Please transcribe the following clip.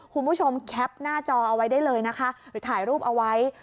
คุณผู้ชมแคปหน้าจอเอาไว้ได้เลยหรือถ่ายรูปเอาไว้